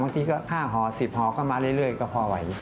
ทีก็๕ห่อ๑๐ห่อก็มาเรื่อยก็พอไหว